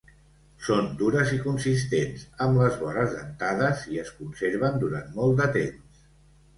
Són dures i consistents, amb les vores dentades, i es conserven durant molt de temps.